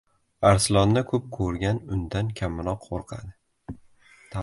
• Arslonni ko‘p ko‘rgan undan kamroq qo‘rqadi.